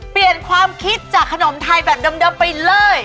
เปลี่ยนความคิดจากขนมไทยแบบเดิมไปเลย